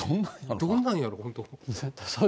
どんなんやろ、本当。